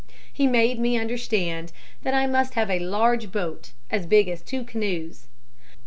He made me understand that I must have a large boat as big as two canoes.